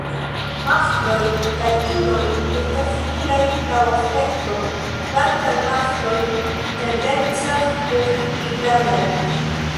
Maskloj kaj inoj estas similaj laŭ aspekto, kvankam maskloj tendencas esti pli grandaj.